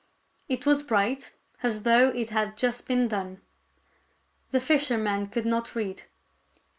It was bright, as though it had just been done. The fisherman could not read.